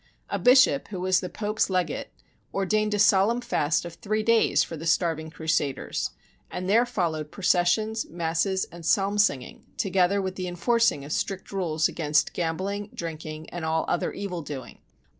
A bishop, who was the Pope's legate, ordained a solemn fast of three days for the starving Crusaders, and there fol lowed processions, masses, and psalm singing, to gether with the enforcing of strict rules against gambling, drinking, and all other evil doing.